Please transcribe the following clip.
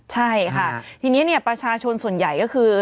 ใช่ค่ะทีนี้ประชาชนส่วนใหญ่ก็คือ